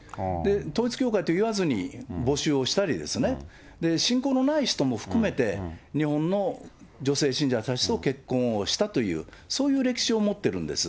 統一教会と言わずに募集をしたりですね、信仰のない人も含めて、日本の女性信者たちと結婚をしたという、そういう歴史を持ってるんです。